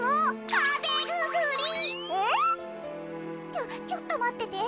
ちょちょっとまってて。